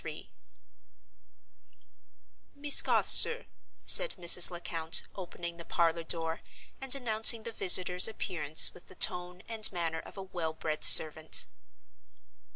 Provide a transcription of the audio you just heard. "Miss Garth, sir," said Mrs. Lecount, opening the parlor door, and announcing the visitor's appearance with the tone and manner of a well bred servant.